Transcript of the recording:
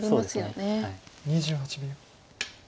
２８秒。